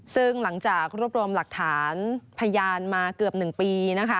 ซึ่งหลังจากรวบรวมหลักฐานพยานมาเกือบ๑ปีนะคะ